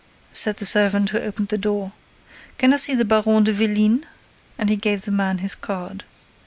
said the servant who opened the door. "Can I see the Baron de Vélines?" And he gave the man his card.